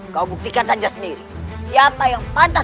kau berdua harus berkerjasama